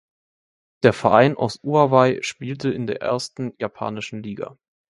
Der Verein aus Urawa spielte in der ersten japanischen Liga.